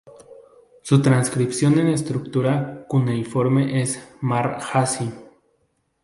Su transcripción en escritura cuneiforme es "Mar-ḫa-ši".